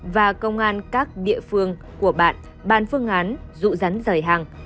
và công an các địa phương của bạn bàn phương án dụ dắn rời hàng